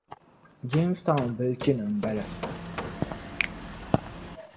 Jamestown bilichini m-bala